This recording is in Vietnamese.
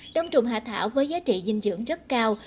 đông trùng hạ thảo với giá trị dinh dưỡng rất cao